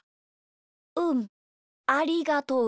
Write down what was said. うんありがとう。